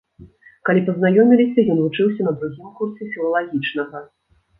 Калі пазнаёміліся, ён вучыўся на другім курсе філалагічнага.